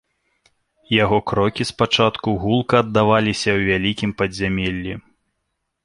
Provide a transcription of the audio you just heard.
Яго крокі спачатку гулка аддаваліся ў вялікім падзямеллі.